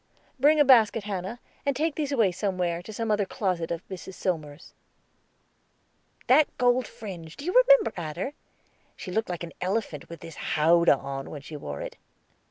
"Bring a basket, Hannah, and take these away somewhere, to some other closet of Mrs. Somers's." "That gold fringe, do you remember, Adder? She looked like an elephant with his howdah on when she wore it."